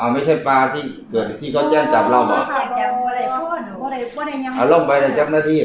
อ๋อไม่ใช่ปลาที่เกิดที่เขาเจ้าจับเราเหรออ๋อลงไปแล้วจับหน้าที่เหรอ